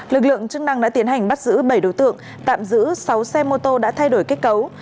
lực lượng chức năng đã tiến hành bắt giữ bảy đối tượng tạm giữ sáu xe mô tô đã thay đổi kết cấu